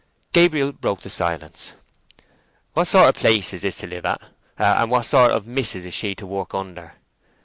Gabriel broke the silence. "What sort of a place is this to live at, and what sort of a mis'ess is she to work under?"